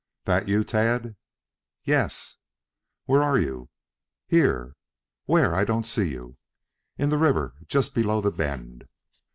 "That you, Tad!" "Y e s." "Where are you!" "Here." "Where? I don't see you." "In the river. Just below the bend."